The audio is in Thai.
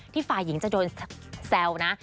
ฝ่ายหญิงจะโดนแซวนะ